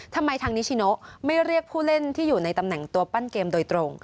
ทางนิชิโนไม่เรียกผู้เล่นที่อยู่ในตำแหน่งตัวปั้นเกมโดยตรง